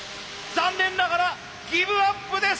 残念ながらギブアップです。